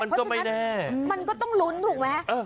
มันก็ไม่แน่มันก็ต้องลุ้นถูกไหมเออ